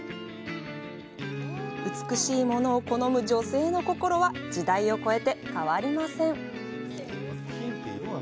美しいものを好む女性の心は時代を超えて変わりません。